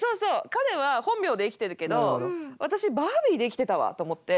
彼は本名で生きてるけど私はバービーで生きてたわと思って。